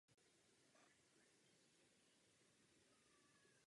Součástí obce jsou i vesnice Borek a Svobodná Ves.